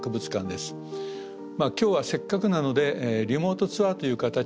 今日はせっかくなのでリモートツアーという形でですね